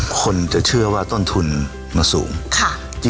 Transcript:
คนจะเชื่อว่าต้นทุนมันสูง